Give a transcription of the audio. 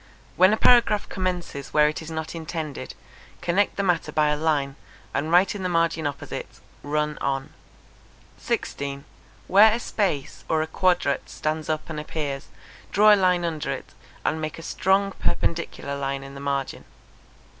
When a paragraph commences where it is not intended, connect the matter by a line, and write in the margin opposite run on. 16. Where a space or a quadrat stands up and appears, draw a line under it, and make a strong perpendicular line in the margin.